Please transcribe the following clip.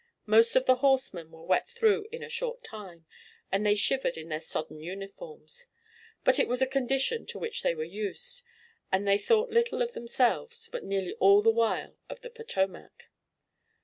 Most of the horsemen were wet through in a short time, and they shivered in their sodden uniforms, but it was a condition to which they were used, and they thought little of themselves but nearly all the while of the Potomac.